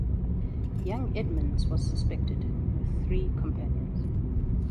Young Edmunds was suspected, with three companions.